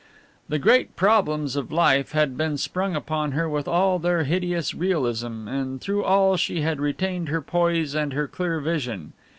The great problems of life had been sprung upon her with all their hideous realism, and through all she had retained her poise and her clear vision.